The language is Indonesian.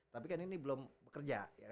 tapi kan ini belum bekerja